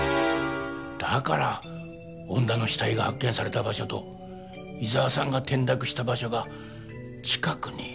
だから恩田の死体が発見された場所と伊沢さんが転落した場所が近くに。